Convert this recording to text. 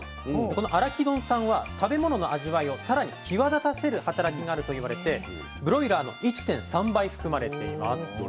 このアラキドン酸は食べ物の味わいをさらに際立たせる働きがあると言われてブロイラーの１．３倍含まれています。